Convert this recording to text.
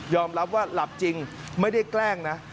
รับว่าหลับจริงไม่ได้แกล้งนะ